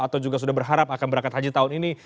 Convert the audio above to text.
atau juga sudah berharap akan berangkat haji tahun ini